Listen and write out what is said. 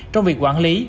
trong việc quản lý